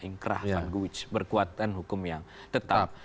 inkrah fangguh berkuatan hukum yang tetap